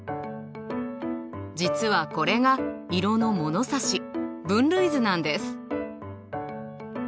実はこれが色の物差し分類図なんです。